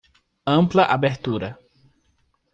Ampla abertura